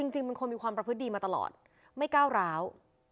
จริงมันคงมีความประพฤติดีมาตลอดไม่ก้าวร้าว